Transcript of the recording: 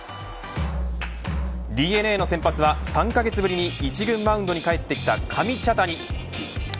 ＤｅＮＡの先発は３カ月ぶりに一軍マウンドに帰ってきた上茶谷。